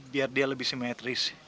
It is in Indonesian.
biar dia lebih simetris